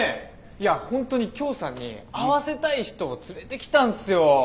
いや本当にきょーさんに会わせたい人を連れてきたんすよ。